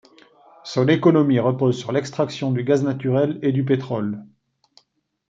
Son économie repose sur l'extraction du gaz naturel et du pétrole.